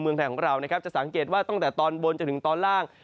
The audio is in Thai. เมืองไทยของเรานะครับจะสังเกตว่าตั้งแต่ตอนบนจนถึงตอนล่าง